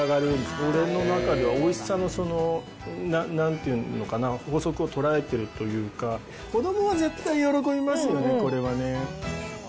その中でおいしさの、なんていうのかな、法則を捉えてるというか、子どもは絶対喜びますよね、これはね。